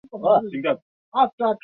Mungu wee Mungu unaweza